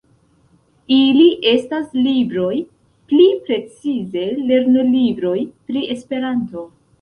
Ili estas libroj, pli precize lernolibroj, pri Esperanto.